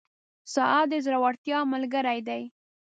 • ساعت د زړورتیا ملګری دی.